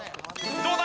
どうだ？